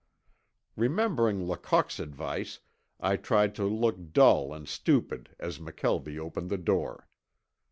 Remembering Lecoq's advice I tried to look dull and stupid as McKelvie opened the door.